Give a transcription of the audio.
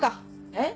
えっ？